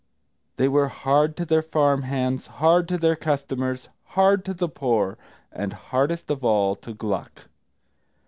They were hard to their farm hands, hard to their customers, hard to the poor, and hardest of all to Gluck.